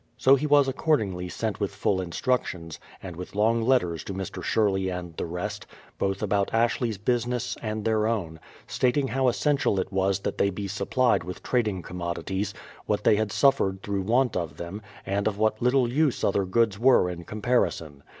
So he was accordingly sent with full instructions, and with long letters to Mr. Sherley and the rest, both about Ashley's business and their own ; stating how essential it was that they be supplied with trading commodities, what they had suffered through want of them, and of what little use other goods were in com parison.